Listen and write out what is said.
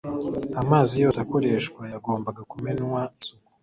Amazi yose akoreshwa yagombaga kumenanwa isuku